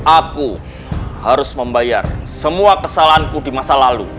aku harus membayar semua kesalahanku di masa lalu